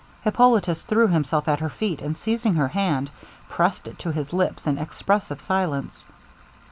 Hippolitus threw himself at her feet, and seizing her hand, pressed it to his lips in expressive silence.